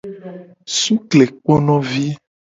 Suklekponovi.